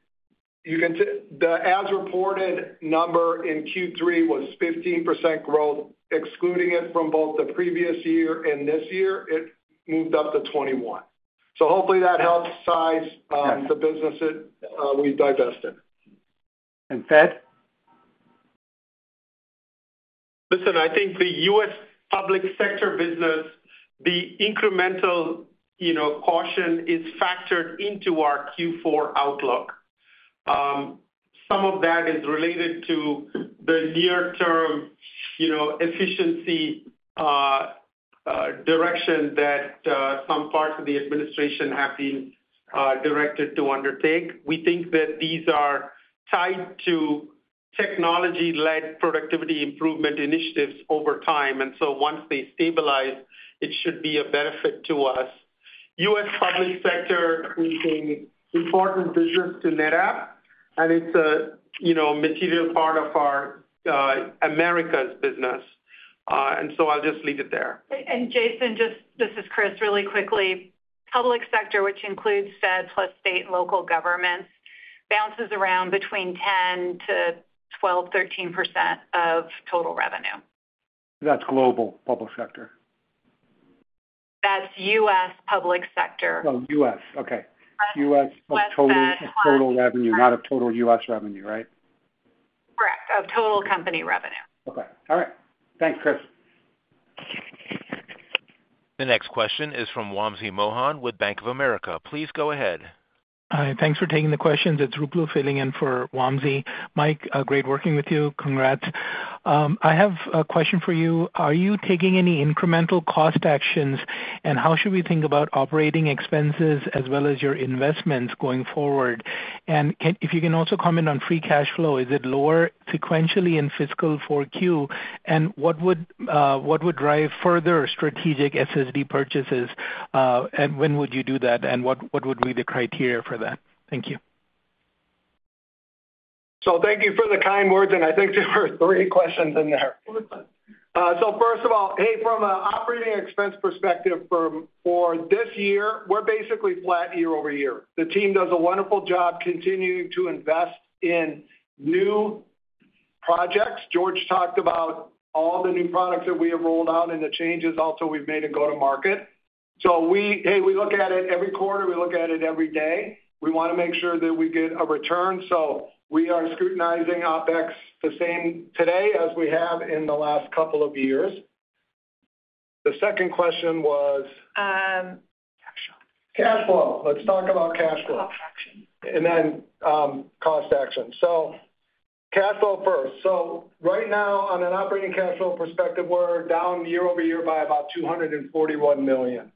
[SPEAKER 4] the as-reported number in Q3 was 15% growth. Excluding it from both the previous year and this year, it moved up to 21%. So hopefully that helps size the business that we divested.
[SPEAKER 10] And Fed?
[SPEAKER 3] Listen, I think the U.S. public sector business, the incremental caution is factored into our Q4 outlook. Some of that is related to the near-term efficiency direction that some parts of the administration have been directed to undertake. We think that these are tied to technology-led productivity improvement initiatives over time. And so once they stabilize, it should be a benefit to us. U.S. public sector is an important business to NetApp, and it's a material part of our Americas business. And so I'll just leave it there.
[SPEAKER 2] And Jason, just this is Kris, really quickly. Public sector, which includes Fed plus state and local governments, bounces around between 10%-13% of total revenue.
[SPEAKER 10] That's global public sector.
[SPEAKER 2] That's U.S. public sector.
[SPEAKER 10] Oh, U.S. Okay. U.S. of total revenue, not of total U.S. revenue, right?
[SPEAKER 2] Correct. Of total company revenue.
[SPEAKER 10] Okay. All right. Thanks, Kris.
[SPEAKER 1] The next question is from Wamsi Mohan with Bank of America. Please go ahead. Hi.
[SPEAKER 11] Thanks for taking the questions. It's Ruplu filling in for Wamsi. Mike, great working with you. Congrats. I have a question for you. Are you taking any incremental cost actions, and how should we think about operating expenses as well as your investments going forward? And if you can also comment on free cash flow, is it lower sequentially in fiscal four Q, and what would drive further strategic SSD purchases, and when would you do that, and what would be the criteria for that? Thank you.
[SPEAKER 4] So thank you for the kind words, and I think there were three questions in there. So first of all, hey, from an operating expense perspective for this year, we're basically flat YoY. The team does a wonderful job continuing to invest in new projects. George talked about all the new products that we have rolled out and the changes also we've made in go-to-market. So hey, we look at it every quarter. We look at it every day. We want to make sure that we get a return. So we are scrutinizing OpEx the same today as we have in the last couple of years. The second question was cash flow. Let's talk about cash flow. And then cost action. So cash flow first. So right now, on an operating cash flow perspective, we're down year-over-year by about $241 million.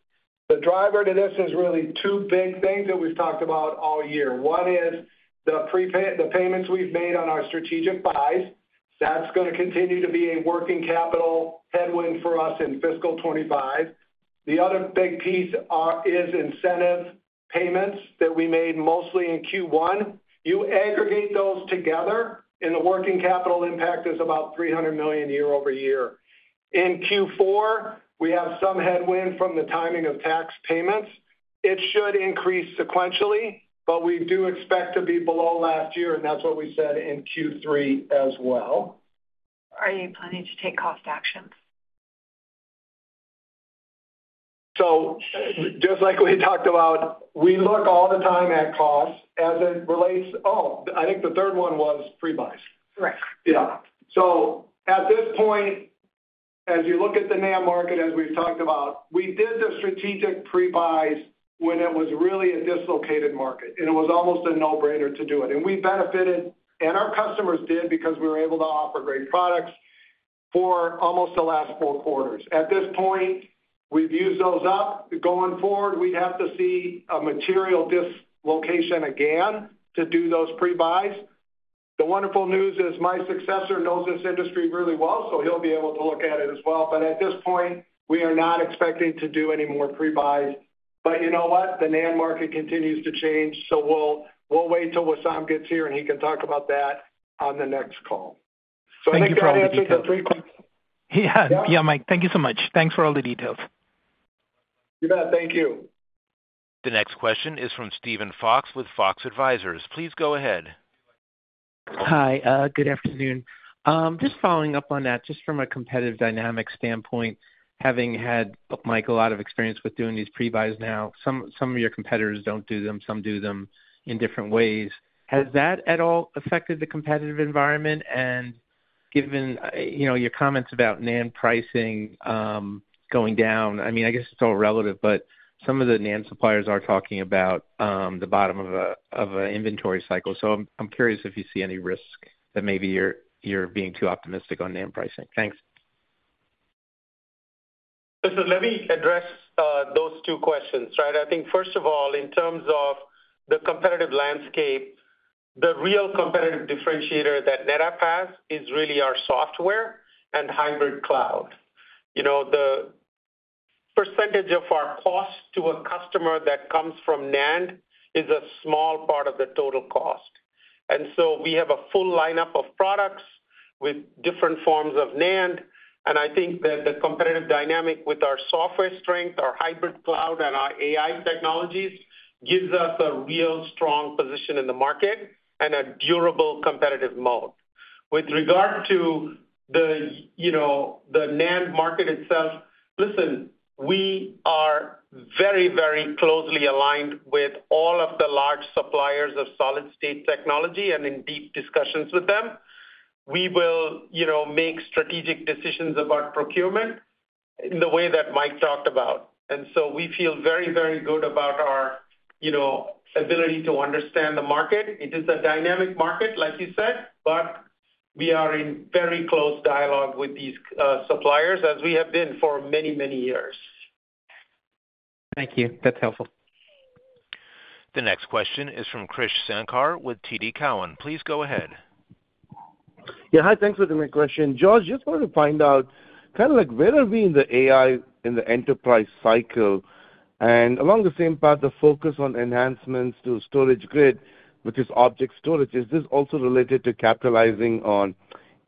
[SPEAKER 4] The driver to this is really two big things that we've talked about all year. One is the payments we've made on our strategic buys. That's going to continue to be a working capital headwind for us in fiscal 2025. The other big piece is incentive payments that we made mostly in Q1. You aggregate those together, and the working capital impact is about $300 million year-over-year. In Q4, we have some headwind from the timing of tax payments. It should increase sequentially, but we do expect to be below last year, and that's what we said in Q3 as well. Are you planning to take cost actions? So just like we talked about, we look all the time at cost as it relates, oh, I think the third one was prebuys.
[SPEAKER 11] Correct. Yeah.
[SPEAKER 4] So at this point, as you look at the NAND market, as we've talked about, we did the strategic prebuys when it was really a dislocated market, and it was almost a no-brainer to do it. And we benefited, and our customers did because we were able to offer great products for almost the last four quarters. At this point, we've used those up. Going forward, we'd have to see a material dislocation again to do those prebuys. The wonderful news is my successor knows this industry really well, so he'll be able to look at it as well. But at this point, we are not expecting to do any more prebuys. But you know what? The NAND market continues to change, so we'll wait till Wissam gets here, and he can talk about that on the next call.
[SPEAKER 11] So I think you already answered the three questions. Yeah. Yeah, Mike. Thank you so much. Thanks for all the details.
[SPEAKER 4] You bet. Thank you.
[SPEAKER 1] The next question is from Steven Fox with Fox Advisors. Please go ahead.
[SPEAKER 12] Hi. Good afternoon. Just following up on that, just from a competitive dynamic standpoint, having had, Mike, a lot of experience with doing these prebuys now, some of your competitors don't do them. Some do them in different ways. Has that at all affected the competitive environment? Given your comments about NAND pricing going down, I mean, I guess it's all relative, but some of the NAND suppliers are talking about the bottom of an inventory cycle. So I'm curious if you see any risk that maybe you're being too optimistic on NAND pricing. Thanks.
[SPEAKER 3] Listen, let me address those two questions, right? I think, first of all, in terms of the competitive landscape, the real competitive differentiator that NetApp has is really our software and hybrid cloud. The percentage of our cost to a customer that comes from NAND is a small part of the total cost. And so we have a full lineup of products with different forms of NAND, and I think that the competitive dynamic with our software strength, our hybrid cloud, and our AI technologies gives us a real strong position in the market and a durable competitive moat. With regard to the NAND market itself, listen, we are very, very closely aligned with all of the large suppliers of solid-state technology and in deep discussions with them. We will make strategic decisions about procurement in the way that Mike talked about. And so we feel very, very good about our ability to understand the market. It is a dynamic market, like you said, but we are in very close dialogue with these suppliers, as we have been for many, many years.
[SPEAKER 12] Thank you. That's helpful.
[SPEAKER 1] The next question is from Krish Sankar with TD Cowen. Please go ahead.
[SPEAKER 13] Yeah. Hi. Thanks for the question. George, just wanted to find out kind of where are we in the AI in the enterprise cycle? Along the same path, the focus on enhancements to StorageGRID, which is object storage, is this also related to capitalizing on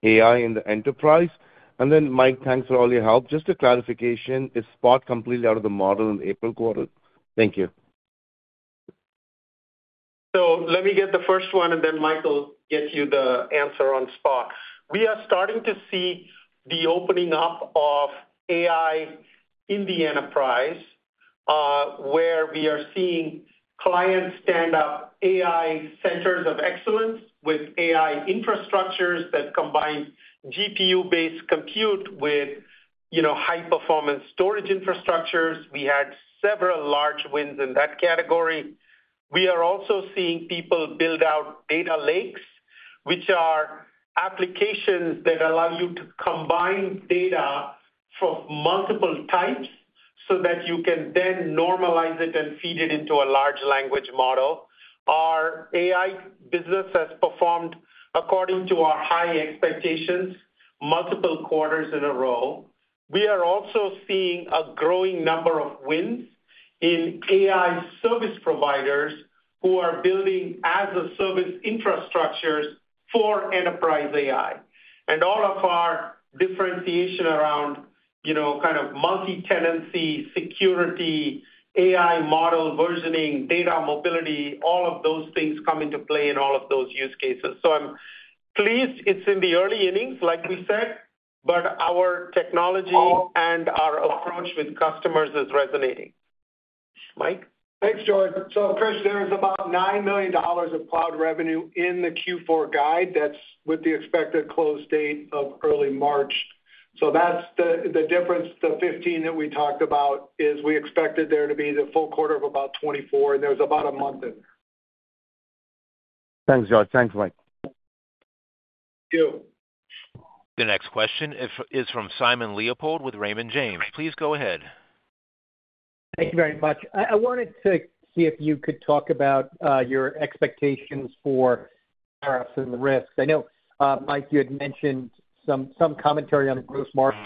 [SPEAKER 13] AI in the enterprise? And then, Mike, thanks for all your help. Just a clarification, is Spot completely out of the model in April quarter? Thank you.
[SPEAKER 3] Let me get the first one, and then Mike will gets you the answer on Spot. We are starting to see the opening up of AI in the enterprise, where we are seeing clients stand up AI centers of excellence with AI infrastructures that combine GPU-based compute with high-performance storage infrastructures. We had several large wins in that category. We are also seeing people build out data lakes, which are applications that allow you to combine data from multiple types so that you can then normalize it and feed it into a large language model. Our AI business has performed according to our high expectations multiple quarters in a row. We are also seeing a growing number of wins in AI service providers who are building as-a-service infrastructures for enterprise AI. And all of our differentiation around kind of multi-tenancy, security, AI model versioning, data mobility, all of those things come into play in all of those use cases. So I'm pleased it's in the early innings, like we said, but our technology and our approach with customers is resonating. Mike?
[SPEAKER 4] Thanks, George. So Kris, there is about $9 million of cloud revenue in the Q4 guide that's with the expected close date of early March. So that's the difference. The $15 million that we talked about is we expected there to be the full quarter of about $24 million, and there's about a month in there.
[SPEAKER 13] Thanks, George. Thanks, Mike. Thank you.
[SPEAKER 1] The next question is from Simon Leopold with Raymond James. Please go ahead.
[SPEAKER 14] Thank you very much. I wanted to see if you could talk about your expectations for tariffs and the risks. I know, Mike, you had mentioned some commentary on the gross margin.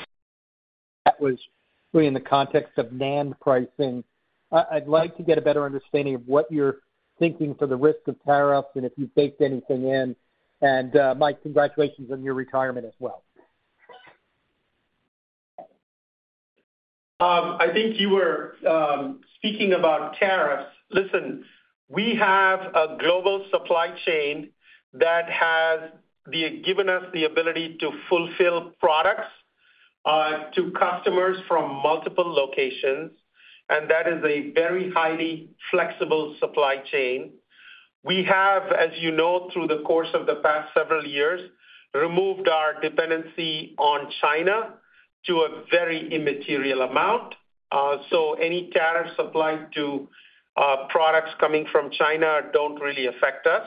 [SPEAKER 14] That was really in the context of NAND pricing. I'd like to get a better understanding of what you're thinking for the risk of tariffs and if you've baked anything in. And Mike, congratulations on your retirement as well.
[SPEAKER 3] I think you were speaking about tariffs. Listen, we have a global supply chain that has given us the ability to fulfill products to customers from multiple locations, and that is a very highly flexible supply chain. We have, as you know, through the course of the past several years, removed our dependency on China to a very immaterial amount. So any tariffs applied to products coming from China don't really affect us.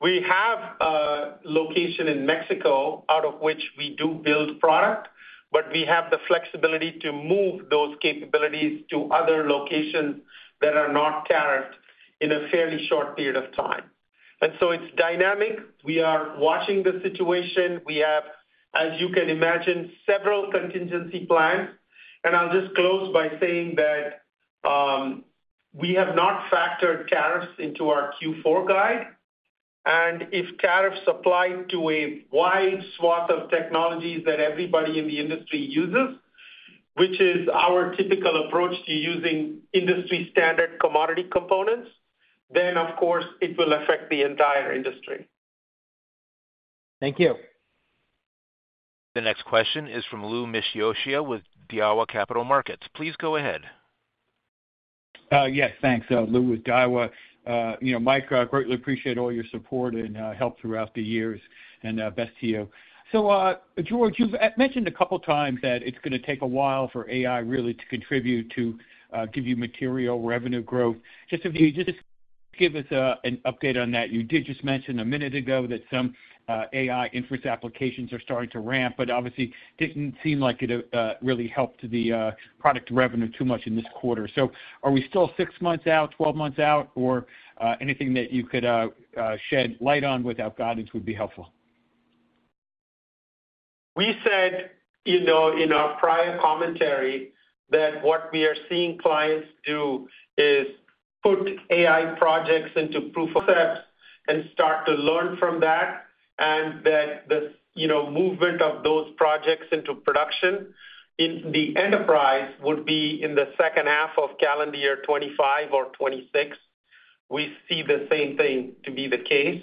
[SPEAKER 3] We have a location in Mexico, out of which we do build product, but we have the flexibility to move those capabilities to other locations that are not tariffed in a fairly short period of time. And so it's dynamic. We are watching the situation. We have, as you can imagine, several contingency plans. And I'll just close by saying that we have not factored tariffs into our Q4 guide. And if tariffs apply to a wide swath of technologies that everybody in the industry uses, which is our typical approach to using industry-standard commodity components, then, of course, it will affect the entire industry.
[SPEAKER 14] Thank you.
[SPEAKER 1] The next question is from Louis Miscioscia with Daiwa Capital Markets. Please go ahead.
[SPEAKER 15] Yes. Thanks, Louis, with Daiwa. Mike, I greatly appreciate all your support and help throughout the years. And best to you. So, George, you've mentioned a couple of times that it's going to take a while for AI really to contribute to give you material revenue growth. Just to give us an update on that, you did just mention a minute ago that some AI inference applications are starting to ramp, but obviously, it didn't seem like it really helped the product revenue too much in this quarter. So are we still six months out, 12 months out, or anything that you could shed light on without guidance would be helpful?
[SPEAKER 3] We said in our prior commentary that what we are seeing clients do is put AI projects into proof of concept and start to learn from that, and that the movement of those projects into production in the enterprise would be in the second half of calendar year 2025 or 2026. We see the same thing to be the case.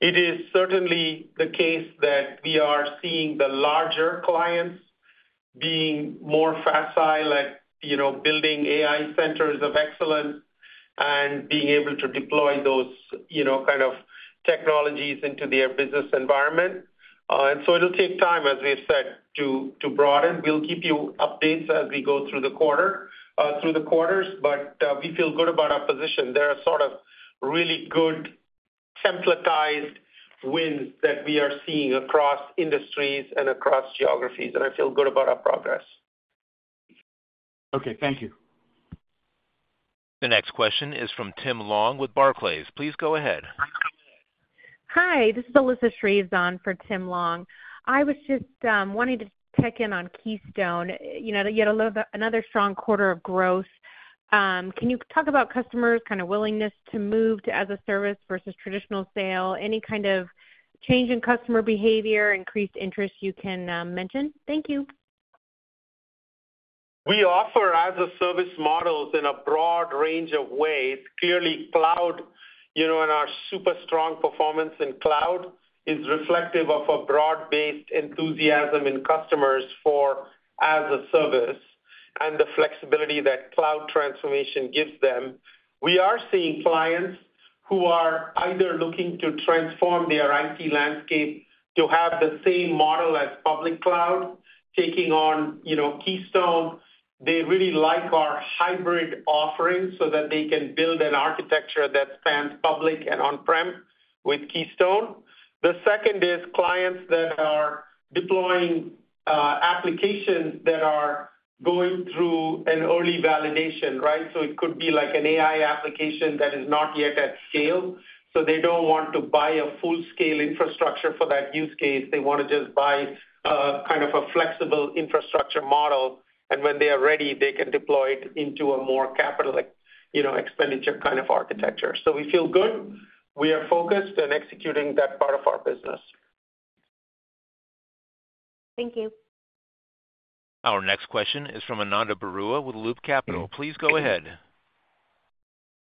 [SPEAKER 3] It is certainly the case that we are seeing the larger clients being more facile, like building AI centers of excellence and being able to deploy those kind of technologies into their business environment. And so it'll take time, as we have said, to broaden. We'll keep you updated as we go through the quarters, but we feel good about our position. There are sort of really good templatized wins that we are seeing across industries and across geographies, and I feel good about our progress.
[SPEAKER 15] Okay. Thank you.
[SPEAKER 3] The next question is from Tim Long with Barclays. Please go ahead.
[SPEAKER 16] Hi. This is Alyssa Shreves for Tim Long. I was just wanting to check in on Keystone. You had another strong quarter of growth. Can you talk about customers' kind of willingness to move to as-a-service versus traditional sale? Any kind of change in customer behavior, increased interest you can mention? Thank you.
[SPEAKER 3] We offer as-a-service models in a broad range of ways. Clearly, cloud and our super strong performance in cloud is reflective of a broad-based enthusiasm in customers for as-a-service and the flexibility that cloud transformation gives them. We are seeing clients who are either looking to transform their IT landscape to have the same model as public cloud, taking on Keystone. They really like our hybrid offering so that they can build an architecture that spans public and on-prem with Keystone. The second is clients that are deploying applications that are going through an early validation, right? So it could be like an AI application that is not yet at scale. So they don't want to buy a full-scale infrastructure for that use case. They want to just buy kind of a flexible infrastructure model, and when they are ready, they can deploy it into a more capital expenditure kind of architecture. So we feel good. We are focused and executing that part of our business.
[SPEAKER 16] Thank you.
[SPEAKER 1] Our next question is from Ananda Baruah with Loop Capital. Please go ahead.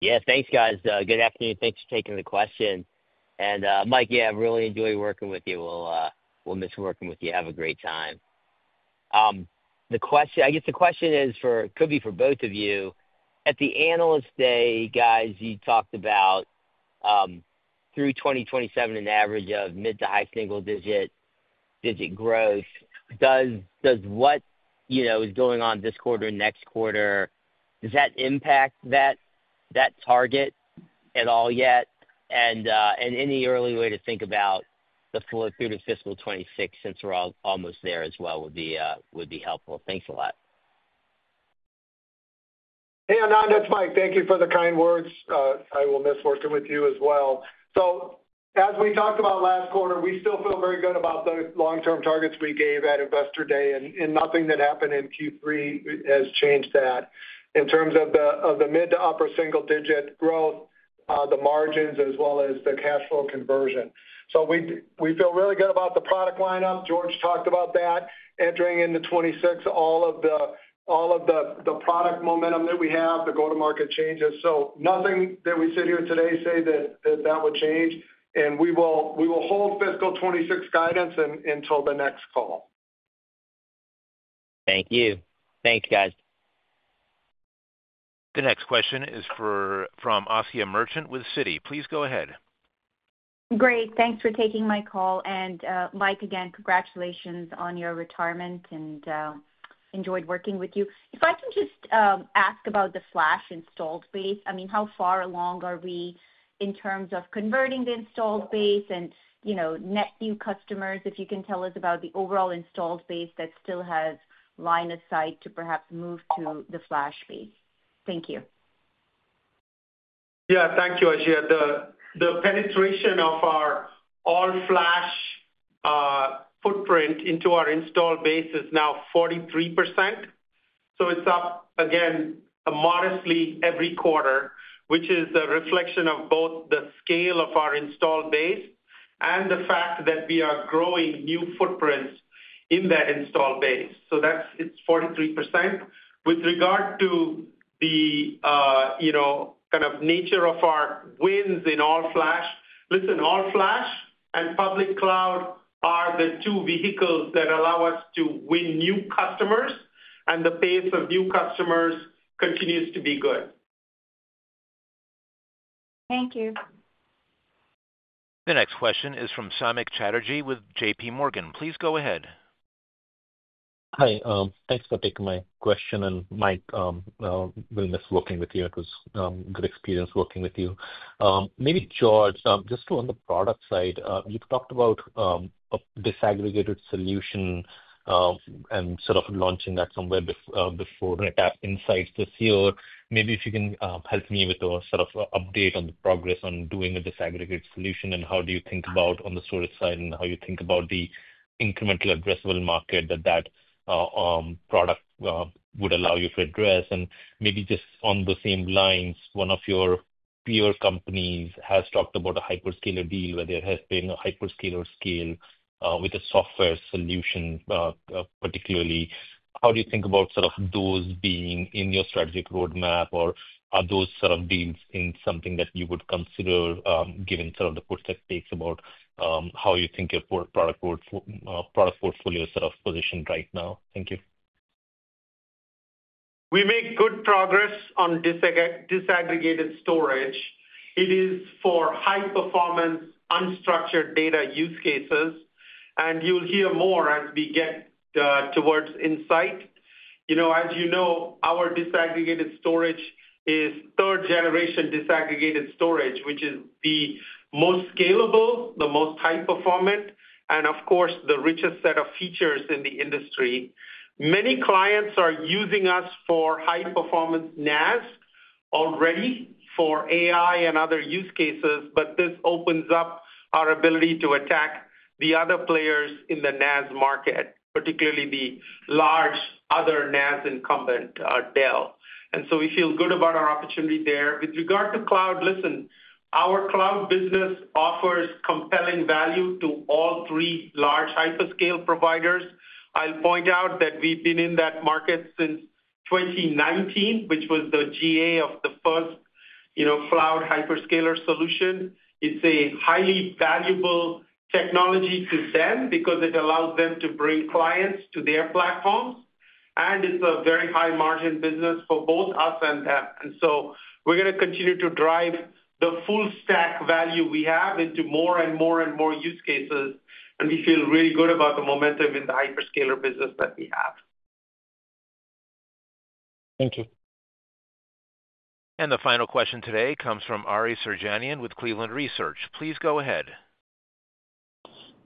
[SPEAKER 17] Yes. Thanks, guys. Good afternoon. Thanks for taking the question. And Mike, yeah, I really enjoyed working with you. We'll miss working with you. Have a great time. I guess the question could be for both of you. At the Analyst Day, guys, you talked about through 2027, an average of mid- to high-single-digit growth. Does what is going on this quarter and next quarter, does that impact that target at all yet? And any early way to think about the flow through to fiscal 2026 since we're almost there as well would be helpful. Thanks a lot.
[SPEAKER 4] Hey, Ananda. It's Mike. Thank you for the kind words. I will miss working with you as well. So as we talked about last quarter, we still feel very good about the long-term targets we gave at Investor Day, and nothing that happened in Q3 has changed that. In terms of the mid- to upper-single-digit growth, the margins as well as the cash flow conversion. So we feel really good about the product lineup. George talked about that entering into 2026, all of the product momentum that we have, the go-to-market changes. So nothing that we sit here today say that that would change. And we will hold fiscal 2026 guidance until the next call.
[SPEAKER 17] Thank you. Thanks, guys.
[SPEAKER 1] The next question is from Asiya Merchant with Citi. Please go ahead.
[SPEAKER 18] Great. Thanks for taking my call. And Mike, again, congratulations on your retirement and enjoyed working with you. If I can just ask about the flash installed base, I mean, how far along are we in terms of converting the installed base and net new customers? If you can tell us about the overall installed base that still has line of sight to perhaps move to the flash base. Thank you. Yeah.
[SPEAKER 3] Thank you, Asiya. The penetration of our all-flash footprint into our installed base is now 43%. So it's up, again, modestly every quarter, which is a reflection of both the scale of our installed base and the fact that we are growing new footprints in that installed base. So it's 43%. With regard to the kind of nature of our wins in all-flash, listen, all-flash and public cloud are the two vehicles that allow us to win new customers, and the pace of new customers continues to be good.
[SPEAKER 18] Thank you.
[SPEAKER 1] The next question is from Samik Chatterjee with J.P. Morgan. Please go ahead.
[SPEAKER 19] Hi. Thanks for taking my question. And Mike, we'll miss working with you. It was a good experience working with you. Maybe George, just on the product side, you've talked about a disaggregated solution and sort of launching that somewhere before NetApp Insight this year. Maybe if you can help me with a sort of update on the progress on doing a disaggregated solution and how do you think about on the storage side and how you think about the incremental addressable market that that product would allow you to address? And maybe just on the same lines, one of your peer companies has talked about a hyperscaler deal where there has been a hyperscaler scale with a software solution, particularly. How do you think about sort of those being in your strategic roadmap, or are those sort of deals in something that you would consider given sort of the push that takes about how you think your product portfolio is sort of positioned right now? Thank you.
[SPEAKER 3] We make good progress on disaggregated storage. It is for high-performance, unstructured data use cases, and you'll hear more as we get towards Insight. As you know, our disaggregated storage is third-generation disaggregated storage, which is the most scalable, the most high-performance, and of course, the richest set of features in the industry. Many clients are using us for high-performance NAS already for AI and other use cases, but this opens up our ability to attack the other players in the NAS market, particularly the large other NAS incumbent, Dell. And so we feel good about our opportunity there. With regard to cloud, listen, our cloud business offers compelling value to all three large hyperscaler providers. I'll point out that we've been in that market since 2019, which was the GA of the first cloud hyperscaler solution. It's a highly valuable technology to them because it allows them to bring clients to their platforms, and it's a very high-margin business for both us and them. And so we're going to continue to drive the full stack value we have into more and more and more use cases, and we feel really good about the momentum in the hyperscaler business that we have.
[SPEAKER 19] Thank you.
[SPEAKER 1] And the final question today comes from Ari Terjanian with Cleveland Research. Please go ahead.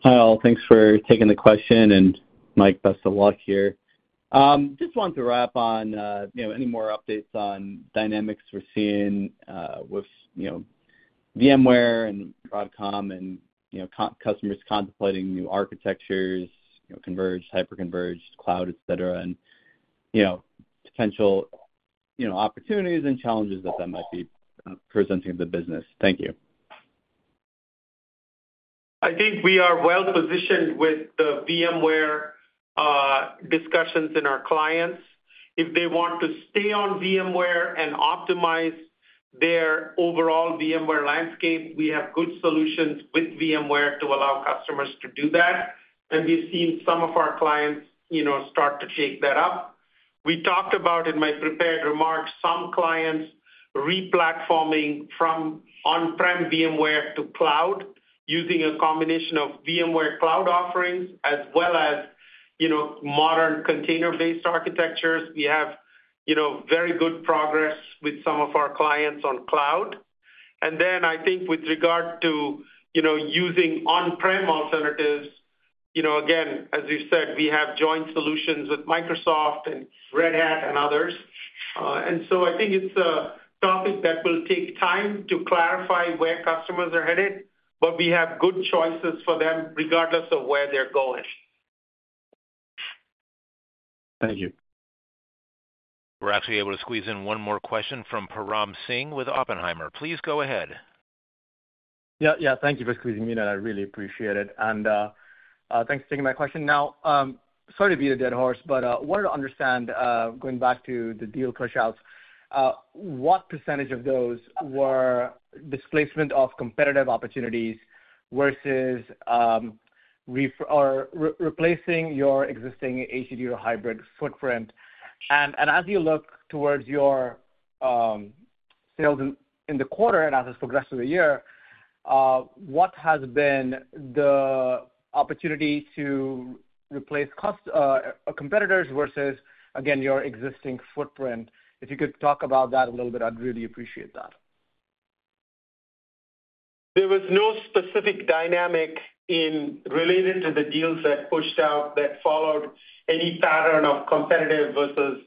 [SPEAKER 20] Hi, all. Thanks for taking the question. And Mike, best of luck here. Just wanted to wrap on any more updates on dynamics we're seeing with VMware and Broadcom and customers contemplating new architectures, converged, hyper-converged, cloud, etc., and potential opportunities and challenges that that might be presenting to the business. Thank you.
[SPEAKER 3] I think we are well-positioned with the VMware discussions in our clients. If they want to stay on VMware and optimize their overall VMware landscape, we have good solutions with VMware to allow customers to do that. We've seen some of our clients start to take that up. We talked about, in my prepared remarks, some clients re-platforming from on-prem VMware to cloud using a combination of VMware cloud offerings as well as modern container-based architectures. We have very good progress with some of our clients on cloud. Then I think with regard to using on-prem alternatives, again, as you said, we have joint solutions with Microsoft and Red Hat and others. So I think it's a topic that will take time to clarify where customers are headed, but we have good choices for them regardless of where they're going.
[SPEAKER 20] Thank you.
[SPEAKER 1] We're actually able to squeeze in one more question from Param Singh with Oppenheimer. Please go ahead.
[SPEAKER 21] Yeah. Yeah. Thank you for squeezing me in. I really appreciate it. And thanks for taking my question. Now, sorry to be the dead horse, but I wanted to understand, going back to the deal push-outs, what percentage of those were displacement of competitive opportunities versus replacing your existing HDD or hybrid footprint? And as you look towards your sales in the quarter and as it progresses through the year, what has been the opportunity to replace competitors versus, again, your existing footprint? If you could talk about that a little bit, I'd really appreciate that.
[SPEAKER 3] There was no specific dynamic related to the deals that pushed out that followed any pattern of competitive versus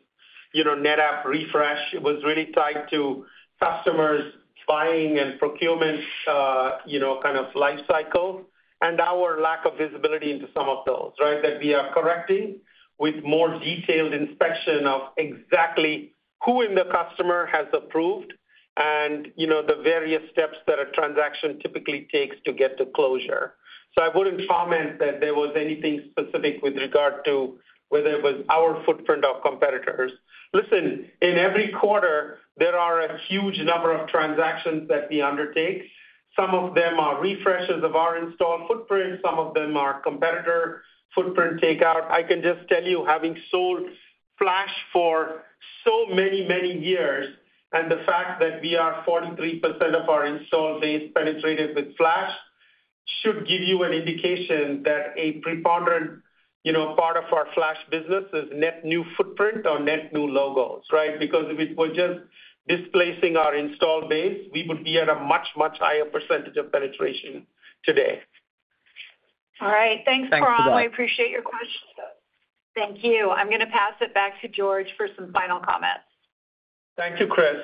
[SPEAKER 3] NetApp refresh. It was really tied to customers' buying and procurement kind of life cycle and our lack of visibility into some of those, right, that we are correcting with more detailed inspection of exactly who in the customer has approved and the various steps that a transaction typically takes to get to closure. So I wouldn't comment that there was anything specific with regard to whether it was our footprint or competitors. Listen, in every quarter, there are a huge number of transactions that we undertake. Some of them are refreshes of our installed footprint. Some of them are competitor footprint takeout. I can just tell you, having sold flash for so many, many years, and the fact that we are 43% of our installed base penetrated with flash should give you an indication that a preponderant part of our flash business is net new footprint or net new logos, right? Because if we were just displacing our installed base, we would be at a much, much higher percentage of penetration today.
[SPEAKER 2] All right. Thanks, Param. I appreciate your question. Thank you. I'm going to pass it back to George for some final comments.
[SPEAKER 3] Thank you, Kris.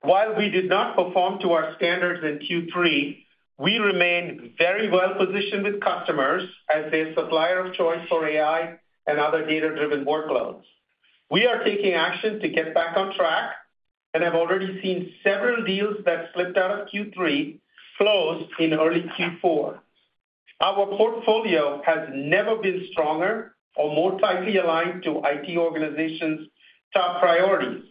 [SPEAKER 3] While we did not perform to our standards in Q3, we remained very well-positioned with customers as their supplier of choice for AI and other data-driven workloads. We are taking action to get back on track, and I've already seen several deals that slipped out of Q3 close in early Q4. Our portfolio has never been stronger or more tightly aligned to IT organizations' top priorities.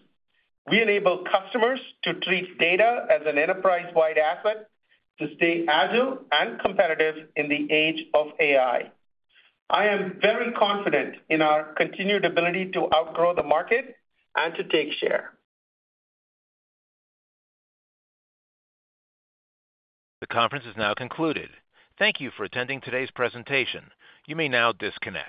[SPEAKER 3] We enable customers to treat data as an enterprise-wide asset to stay agile and competitive in the age of AI. I am very confident in our continued ability to outgrow the market and to take share.
[SPEAKER 1] The conference is now concluded. Thank you for attending today's presentation. You may now disconnect.